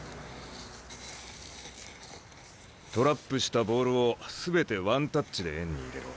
トラップしたボールを全てワンタッチで円に入れろ。